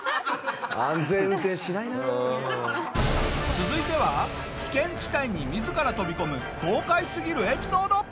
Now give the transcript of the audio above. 続いては危険地帯に自ら飛び込む豪快すぎるエピソード！